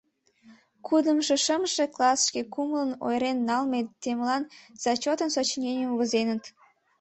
Кудымшо, шымше класс шке кумылын ойырен налме темылан зачётын сочиненийым возеныт.